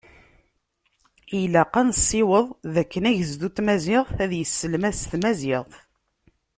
Ilaq ad nesiweḍ dakken agezdu n tmaziɣt, ad yesselmad s tmaziɣt.